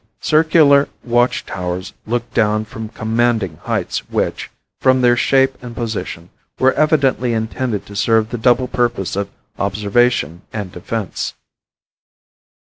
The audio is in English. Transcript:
Circular watch towers look down from commanding heights which, from their shape and position, were evidently intended to serve the double purpose of observation and defense.